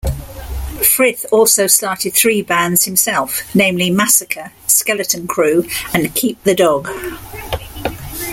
Frith also started three bands himself, namely Massacre, Skeleton Crew, and Keep the Dog.